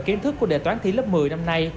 kiến thức của đề toán thi lớp một mươi năm nay